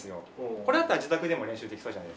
これだったら自宅でも練習できそうじゃないですか？